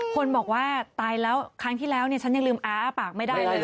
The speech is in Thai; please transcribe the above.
คนบอกว่าตายแล้วครั้งที่แล้วเนี่ยฉันยังลืมอาอ้าปากไม่ได้เลย